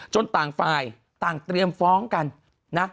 จนตามไฟล์ตามเตรียมฟ้องกันน่ะ